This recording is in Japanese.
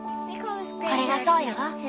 これがそうよ。